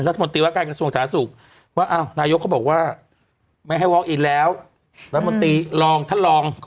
รัฐมนตรีว่าการส่งสถานศูกร์ว่านายกก็บอกว่าไม่ให้วอคอินแล้วรัฐมนตรีลองท่านลอง